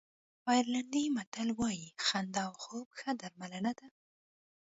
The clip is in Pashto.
آیرلېنډي متل وایي خندا او خوب ښه درملنه ده.